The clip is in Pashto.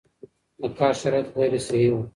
د کار شرایط غیر صحي وو